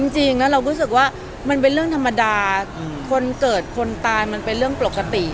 จริงแล้วเรารู้สึกว่ามันเป็นเรื่องธรรมดาคนเกิดคนตายมันเป็นเรื่องปกติ